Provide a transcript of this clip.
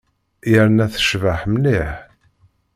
Yerna tecbeḥ mliḥ.